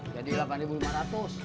jadi lapan ribu empat ratus